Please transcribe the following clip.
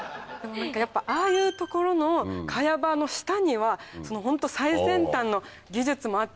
ああいう所の茅場の下にはホント最先端の技術もあって。